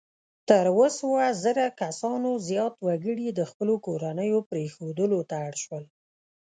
تر اووه سوه زره کسانو زیات وګړي د خپلو کورنیو پرېښودلو ته اړ شول.